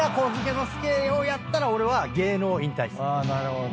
なるほど。